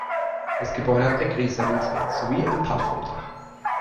Das Gebäude hat Eckrisalite sowie ein Plattformdach.